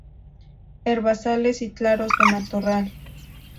Herbazales y claros de matorral.